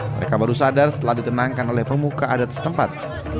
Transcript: mereka baru sadar setelah ditenangkan oleh pemuka adat setempat